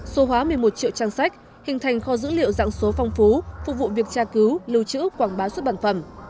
số hóa một mươi một triệu trang sách hình thành kho dữ liệu dạng số phong phú phục vụ việc tra cứu lưu trữ quảng bá xuất bản phẩm